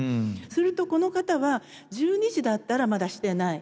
するとこの方は１２時だったらまだしてない。